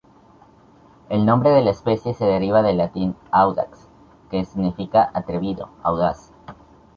El nombre de la especie se deriva del latín "audax" que significa "atrevido, audaz".